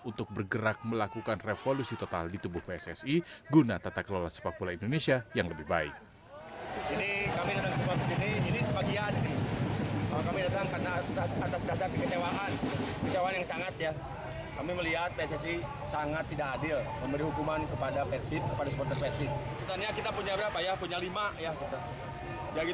untuk bergerak melakukan revolusi total di tubuh pssi guna tata kelola sepak bola indonesia yang lebih baik